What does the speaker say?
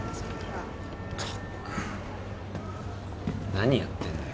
何やってんだよ。